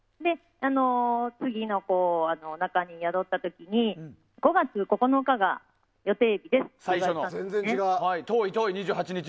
次の子がおなかに宿った時に５月９日が予定日ですと言われたんですね。